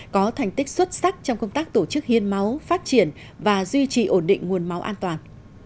có thành tích xuất sắc trong công tác tổ chức hiến máu phát triển và duy trì ổn định nguồn máu an toàn